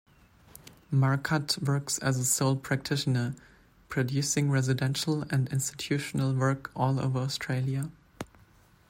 Murcutt works as a sole practitioner, producing residential and institutional work all over Australia.